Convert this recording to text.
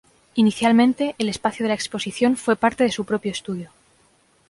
Inicialmente, el espacio de la exposición fue parte de su propio estudio.